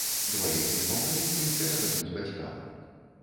Дваіх непаўналетніх перададуць бацькам.